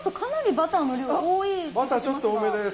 バターちょっと多めです。